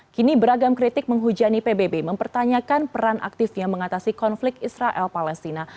kini beragam kritik menghujani pbb mempertanyakan peran aktifnya mengatasi konflik israel palestina